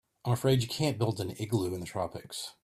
I'm afraid you can't build an igloo in the tropics.